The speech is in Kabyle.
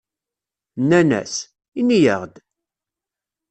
Nnan-as: "Ini-aɣ-d."